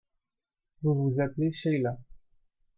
Vous vous appelez Sheila.